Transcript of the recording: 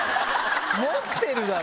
持ってるだろ！